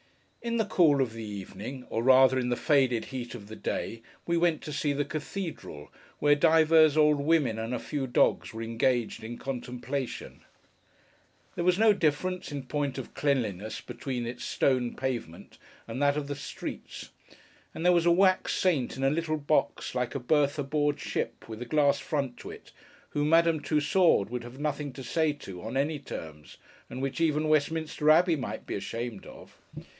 In the cool of the evening: or rather in the faded heat of the day: we went to see the Cathedral, where divers old women, and a few dogs, were engaged in contemplation. There was no difference, in point of cleanliness, between its stone pavement and that of the streets; and there was a wax saint, in a little box like a berth aboard ship, with a glass front to it, whom Madame Tussaud would have nothing to say to, on any terms, and which even Westminster Abbey might be ashamed of.